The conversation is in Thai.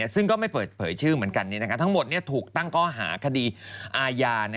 ซึ่งก็ไม่เปิดเผยชื่อเหมือนกันทั้งหมดถูกตั้งก้อหาคดีอาญา